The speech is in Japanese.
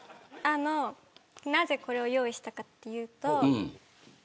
あの、なぜこれを用意したかっていうと。